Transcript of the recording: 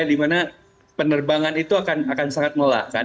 dimana penerbangan itu akan akan sangat melalukan